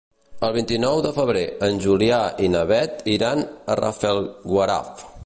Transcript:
El vint-i-nou de febrer en Julià i na Beth iran a Rafelguaraf.